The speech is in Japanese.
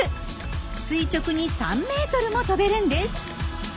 垂直に３ｍも跳べるんです。